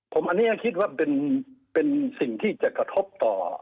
อันนี้ก็คิดว่าเป็นสิ่งที่จะกระทบต่อ